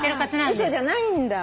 あ嘘じゃないんだ。